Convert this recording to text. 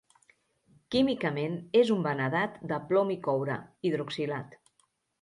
Químicament és un vanadat de plom i coure, hidroxilat.